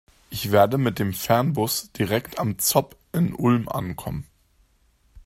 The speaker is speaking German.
Ich werde mit dem Fernbus direkt am ZOB in Ulm ankommen.